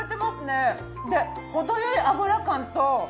で程良い脂感と。